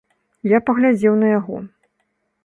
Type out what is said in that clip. Я паглядзеў на яго.